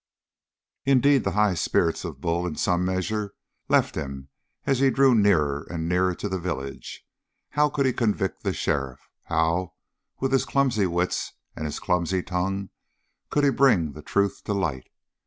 Indeed, the high spirits of Bull in some measure left him as he drew nearer and nearer to the village. How could he convict the sheriff? How, with his clumsy wits and his clumsy tongue, could he bring the truth to light?